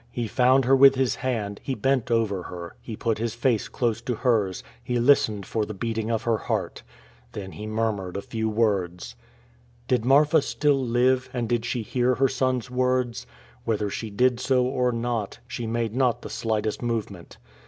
He found her with his hand, he bent over her, he put his face close to hers, he listened for the beating of her heart. Then he murmured a few words. Did Marfa still live, and did she hear her son's words? Whether she did so or not, she made not the slightest movement.